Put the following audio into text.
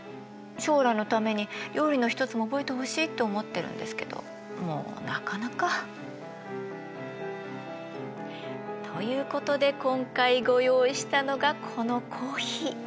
将来のために料理の一つも覚えてほしいって思ってるんですけどもうなかなか。ということで今回ご用意したのがこのコーヒー。